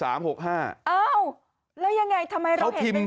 อ้าวแล้วยังไงทำไมเราเห็นเป็น๓๖๖อ่ะ